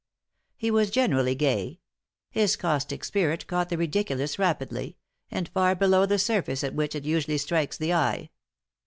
He was generally gay; his caustic spirit caught the ridiculous rapidly, and far below the surface at which it usually strikes the eye.